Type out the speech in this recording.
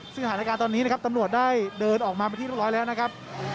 ซึ่งสถานการณ์ตอนนี้นะครับตำรวจได้เดินออกมาเป็นที่เรียบร้อยแล้วนะครับ